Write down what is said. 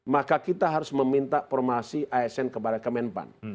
maka kita harus meminta formasi asn kepada kemenpan